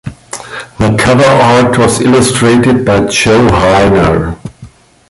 The cover art was illustrated by Joe Heiner.